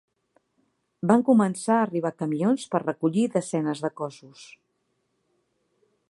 Van començar a arribar camions per recollir desenes de cossos.